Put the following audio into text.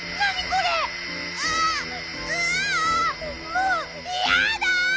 もういやだ！